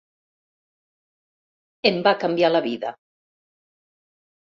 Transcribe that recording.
Em va canviar la vida.